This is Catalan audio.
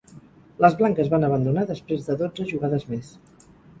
Les blanques van abandonar després de dotze jugades més.